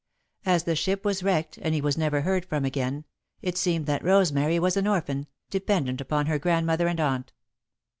As the ship was wrecked and he was never heard from again, it seemed that Rosemary was an orphan, dependent upon her grandmother and aunt.